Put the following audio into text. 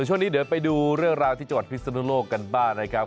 ช่วงนี้เดี๋ยวไปดูเรื่องราวที่จังหวัดพิศนุโลกกันบ้างนะครับ